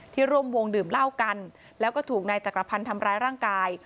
ร่วมวงดื่มเหล้ากันแล้วก็ถูกนายจักรพันธ์ทำร้ายร่างกาย